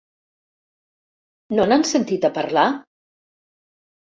No n'han sentit a parlar?